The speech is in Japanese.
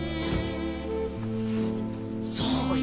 そうよ。